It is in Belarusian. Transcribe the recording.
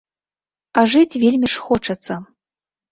А жыць вельмі ж хочацца.